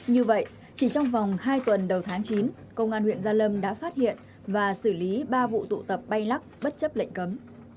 như vậy chỉ trong vòng hai tuần đầu tháng chín công an huyện gia lâm đã phát hiện và xử lý ba vụ tụ tập bay lắc bất chấp lệnh cấm